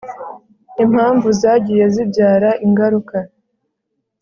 Impamvu zagiye zibyara ingaruka